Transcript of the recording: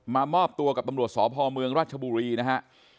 มอบตัวกับตำรวจสพเมืองราชบุรีนะฮะ